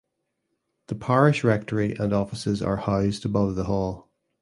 The parish rectory and offices are housed above the hall.